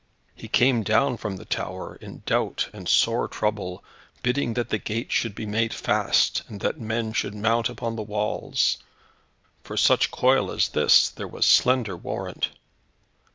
He came down from the tower, in doubt and sore trouble, bidding that the gates should be made fast, and that men should mount upon the walls. For such coil as this, there was slender warrant.